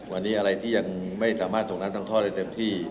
วันนี้อะไรที่ยังไม่สามารถส่งน้ำตกท่อได้เต็มที่